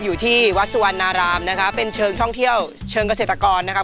อยู่ที่วัดสุวรรณารามนะคะเป็นเชิงท่องเที่ยวเชิงเกษตรกรนะครับ